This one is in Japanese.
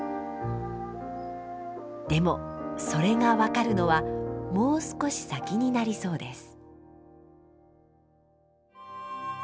でもそれが分かるのはもう少し先になりそうです。